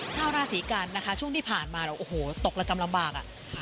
ชาวราศีกันนะคะช่วงที่ผ่านมาเราโอ้โหตกละกรรมลำบากอ่ะ